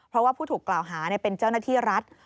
เพราะว่าผู้ถูกกล่าวหาเป็นเจ้าหน้าที่รัฐ